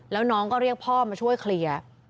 แล้วน้องก็เรียกพ่อมาช่วยเคลียร์